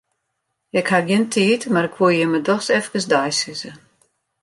Ik haw gjin tiid, mar 'k woe jimme doch efkes deisizze.